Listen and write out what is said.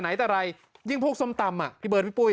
ไหนแต่ไรยิ่งพวกส้มตำอ่ะพี่เบิร์ดพี่ปุ้ย